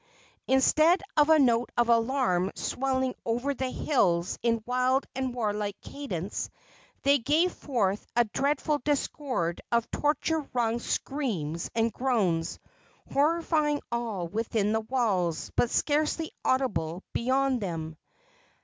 Instead of a note of alarm swelling over the hills in wild and warlike cadence, they gave forth a dreadful discord of torture wrung screams and groans, horrifying all within the walls, but scarcely audible beyond them.